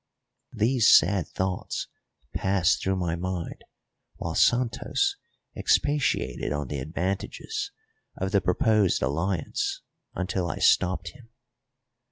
These sad thoughts passed through my mind while Santos expatiated on the advantages of the proposed alliance until I stopped him.